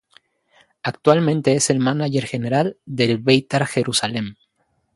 Actualmente es el mánager general del Beitar Jerusalem.